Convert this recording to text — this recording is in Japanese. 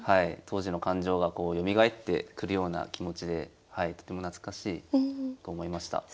当時の感情がこうよみがえってくるような気持ちでとても懐かしいと思いました。